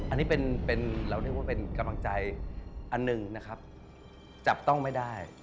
อันนี้เหมือนกำลังใจอันนึงนะครับจับต้องไม่ได้